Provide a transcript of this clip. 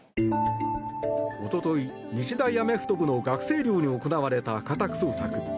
一昨日、日大アメフト部の学生寮に行われた家宅捜索。